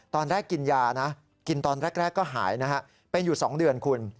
ตอนแรกกินยานะกินตอนแรกก็หายนะฮะเป็นอยู่๒เดือนคุณ